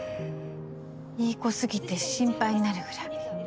いい子すぎて心配になるぐらい。